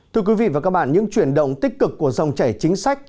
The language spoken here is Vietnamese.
thưa quý vị và các bạn những chuyển động tích cực của dòng chảy chính sách